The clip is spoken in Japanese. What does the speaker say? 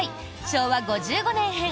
昭和５５年編。